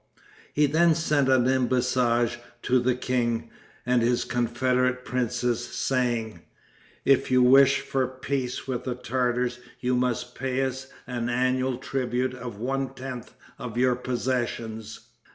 He then sent an embassage to the king and his confederate princes, saying: "If you wish for peace with the Tartars you must pay us an annual tribute of one tenth of your possessions."